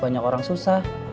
banyak orang susah